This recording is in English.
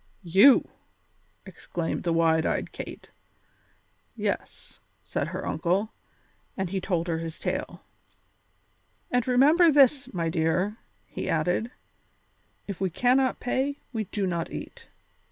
"You!" exclaimed the wide eyed Kate. "Yes," said her uncle, and he told his tale. "And remember this, my dear," he added; "if we cannot pay, we do not eat.